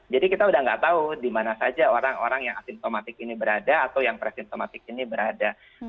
jadi kita sudah tidak tahu di mana saja orang orang yang asimptomatik ini berada atau yang presimptomatik ini berada